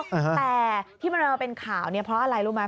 แต่ที่มันเรียกมาเป็นข่าวเพราะอะไรรู้ไหม